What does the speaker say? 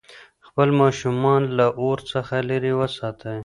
خپل ماشومان له اور څخه لرې وساتئ.